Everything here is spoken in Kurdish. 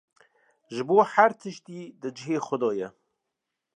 ji bo her tiştî di cihê xwe de ye.